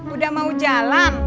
udah mau jalan